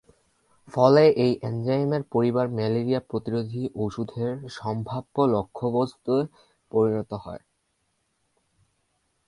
ফলে এই এনজাইমের পরিবার ম্যালেরিয়া প্রতিরোধী ওষুধের সম্ভাব্য লক্ষ্যবস্তুে পরিণত হয়।